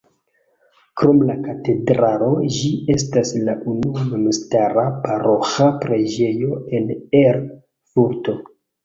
Krom la katedralo ĝi estas la unua memstara paroĥa preĝejo en Erfurto.